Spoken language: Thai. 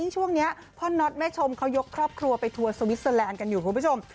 ช่วงนี้พ่อน็อตแม่ชมเขายกครอบครัวไปทัวร์สวิสเตอร์แลนด์กันอยู่คุณผู้ชม